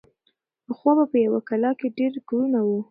پخوا به په یوه کلا کې ډېر کورونه وو.